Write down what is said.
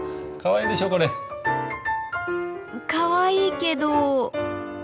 かわいいけど。